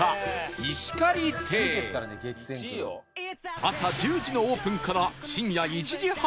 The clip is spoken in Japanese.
朝１０時のオープンから深夜１時半まで